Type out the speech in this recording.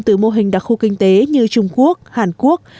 từ mô hình đặc khu kinh tế như trung quốc hàn quốc